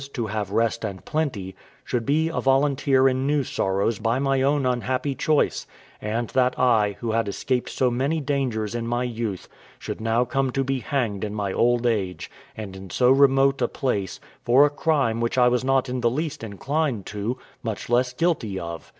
to have rest and plenty, should be a volunteer in new sorrows by my own unhappy choice, and that I, who had escaped so many dangers in my youth, should now come to be hanged in my old age, and in so remote a place, for a crime which I was not in the least inclined to, much less guilty of.